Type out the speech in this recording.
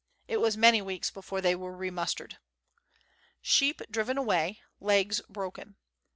It was many weeks before they were re mustered. Sheep driven away; legs broken.